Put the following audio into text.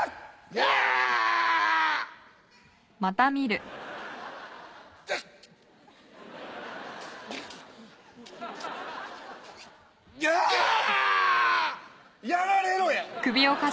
ギャ！やられろや！